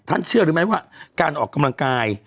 เชื่อหรือไม่ว่าการออกกำลังกาย